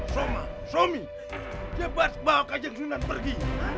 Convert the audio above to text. soma somi cepat bawa kajeng sinan pergi